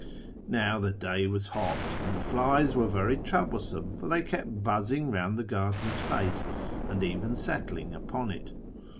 " Now, the day was hot, and the flies were very trouble some, for they kept buzzing round the gardener's face, and FROM TEHERAN to ISFAHAN 183 even settling npon it.